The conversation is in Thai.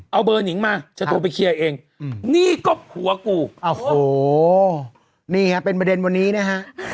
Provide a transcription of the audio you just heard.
เอาเบอร์นิงมาจะโทรไปเคลียร์เองนี่ก็ผัวกูโอ้โหนี่ฮะเป็นประเด็นวันนี้นะฮะ